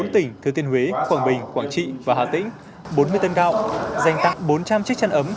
bốn tỉnh thứ tiên huế quảng bình quảng trị và hà tĩnh bốn mươi tên gạo dành tặng bốn trăm linh chiếc chăn ấm